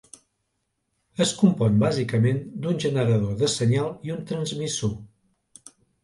Es compon bàsicament d'un generador de senyal i un transmissor.